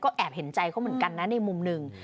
แอบเห็นใจเขาเหมือนกันนะในมุมหนึ่ง